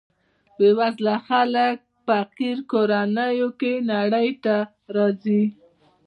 بې وزله خلک په فقیر کورنیو کې نړۍ ته راځي.